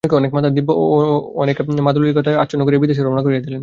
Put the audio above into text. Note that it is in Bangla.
এবং স্বামীকে অনেক মাথার দিব্য ও অনেক মাদুলিতাগায় আচ্ছন্ন করিয়া বিদেশে রওনা করিয়া দিলেন।